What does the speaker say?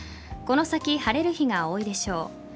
この先、晴れる日が多いでしょう。